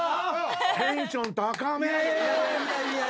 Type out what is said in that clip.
テンション高め。